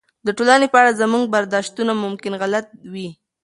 د ټولنې په اړه زموږ برداشتونه ممکن غلط وي.